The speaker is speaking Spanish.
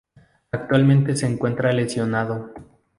Actualmente se encuentra lesionado.